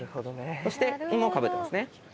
そして「ん」もかぶっていますね。